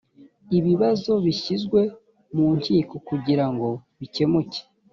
ibibazo bishyizwe mu nkiko kugira ngo bikemuke